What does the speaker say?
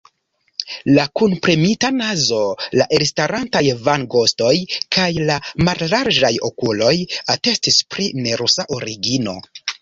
La kunpremita nazo, la elstarantaj vangostoj kaj la mallarĝaj okuloj atestis pri nerusa origino.